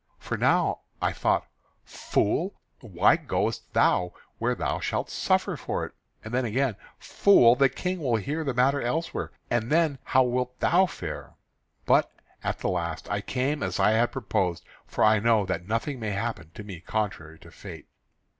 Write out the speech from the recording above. For now I thought, 'Fool, why goest thou where thou shalt suffer for it'; and then, again, 'Fool, the King will hear the matter elsewhere, and then how wilt thou fare?' But at the last I came as I had purposed, for I know that nothing may happen to me contrary to fate."